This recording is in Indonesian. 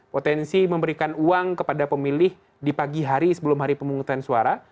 potensi memberikan uang kepada pemilih di pagi hari sebelum hari pemungutan suara